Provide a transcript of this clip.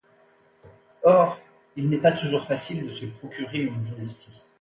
Or il n’est pas toujours facile de se procurer une dynastie.